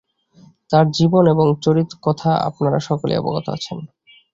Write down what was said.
তাঁর জীবন এবং চরিতকথা আপনারা সকলেই অবগত আছেন।